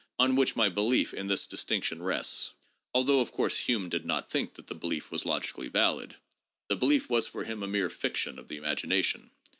283 on which my belief in the distinction rests, although of course Hume did not think that the belief was logically valid ; the belief was for him a mere fiction of the imagination.